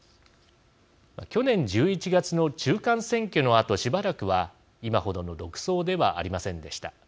去年１１月の中間選挙のあとしばらくは、今程の独走ではありませんでした。